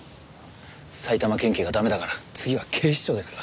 埼玉県警が駄目だから次は警視庁ですか。